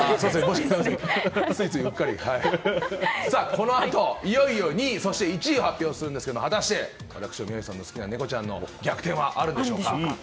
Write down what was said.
このあと、いよいよ２位そして１位を発表するんですが果たして私と宮司さんの好きなネコちゃんの逆転はあるんでしょうか。